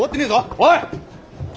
おい！